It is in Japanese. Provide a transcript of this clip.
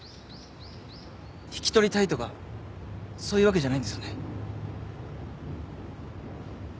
引き取りたいとかそういうわけじゃないんですよね。